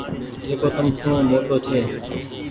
جيڪو تم سون موٽو ڇي ۔